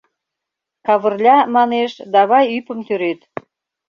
Кавырля, манеш, давай ӱпым тӱред.